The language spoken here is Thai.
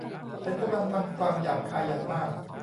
ฉันกำลังทำความหยาบคายอย่างมาก